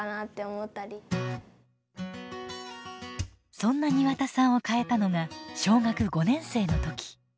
そんな庭田さんを変えたのが小学５年生の時。